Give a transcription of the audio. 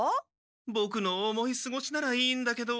ボクの思いすごしならいいんだけど。